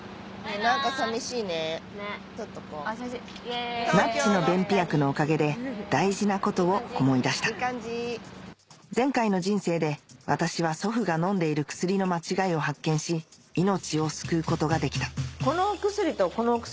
なっちの便秘薬のおかげで大事なことを思い出した前回の人生で私は祖父が飲んでいる薬の間違いを発見し命を救うことができたこのお薬とこのお薬